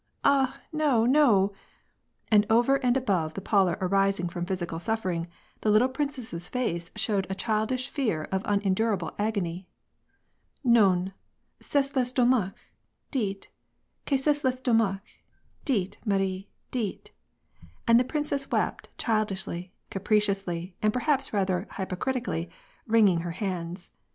" Ah, no, no !" And over and above the pallor arising from physical suffer ing, the little princess's face showed a childish fear of unen durable agony. " iVbn, c^est Vestomac — dites que <^est Vestomac. dites, Mar'Uy dites/^ and the princess wept, childishly, capriciously, and per haps rather hypocritically, wringing her hands.